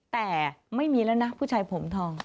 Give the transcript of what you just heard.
แต่ไม่มีแล้วนะผู้ชายผมทอง